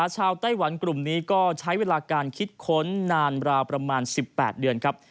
ไต้หวันกลุ่มนี้ก็ใช้เวลาการคิดค้นนานราวประมาณ๑๘เดือนครับ